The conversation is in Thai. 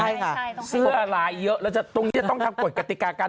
ใช่ค่ะเสื้อลายเยอะแล้วตรงนี้จะต้องทำกฎกติกากัน